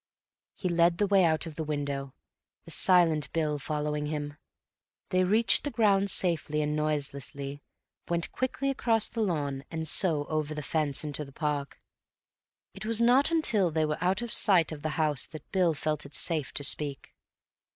He led the way out of the window, the silent Bill following him. They reached the ground safely and noiselessly, went quickly across the lawn and so, over the fence, into the park. It was not until they were out of sight of the house that Bill felt it safe to speak.